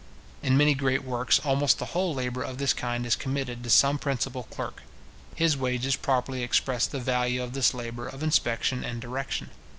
In many great works, almost the whole labour of this kind is committed to some principal clerk. His wages properly express the value of this labour of inspection and direction.